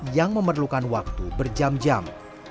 yang memerlukan waktu berjam jam